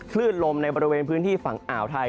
คลื่นลมในบริเวณพื้นที่ฝั่งอ่าวไทย